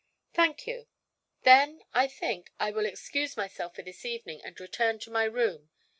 "Thank you. Then, I think, I will excuse myself for this evening and return to my room.